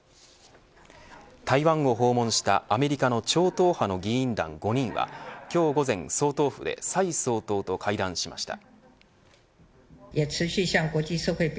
台湾を訪問したアメリカの超党派の議員団５人は今日午前、総統府で蔡総統と会談しました。